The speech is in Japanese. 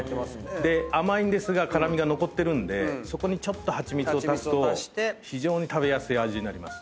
で甘いんですが辛味が残ってるんでそこにちょっとハチミツを足すと非常に食べやすい味になります。